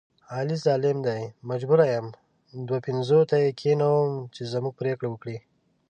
علي ظالم دی مجبوره یم دوه پنځوته یې کېنوم چې زموږ پرېکړه وکړي.